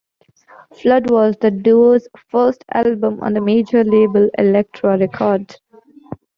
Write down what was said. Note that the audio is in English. "Flood" was the duo's first album on the major label Elektra Records.